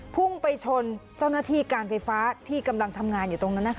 พุ่งไปชนเจ้าหน้าที่การไฟฟ้าที่กำลังทำงานอยู่ตรงนั้น